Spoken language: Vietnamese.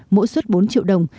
mỗi suất bốn triệu đồng